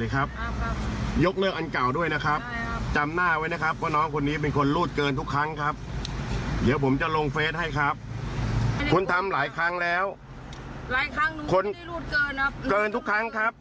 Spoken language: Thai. ให้ครับคุณทำหลายครั้งแล้วหลายครั้งคนทุกครั้งครับ